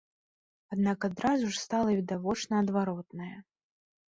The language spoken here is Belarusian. Аднак адразу ж стала відавочна адваротнае.